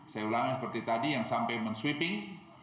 saya ulangi seperti tadi yang sampai menswiping